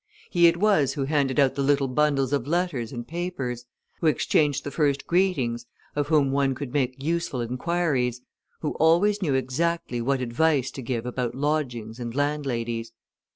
He it was who handed out the little bundles of letters and papers, who exchanged the first greetings, of whom one could make useful inquiries, who always knew exactly what advice to give about lodgings and landladies.